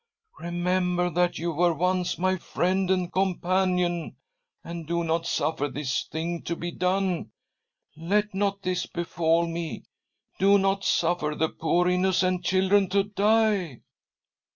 " Remember that you were once my friend and companion, and do not suffer this thing to be done 1 Let not this befall me — do not suffer the poor innocent children to die."